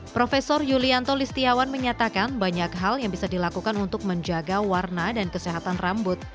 profesor yulianto listiawan menyatakan banyak hal yang bisa dilakukan untuk menjaga warna dan kesehatan rambut